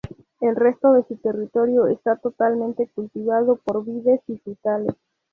El resto de su territorio esta totalmente cultivado por vides y frutales.